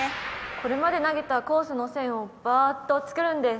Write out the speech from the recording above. これまで投げたコースの線をバーッと作るんです。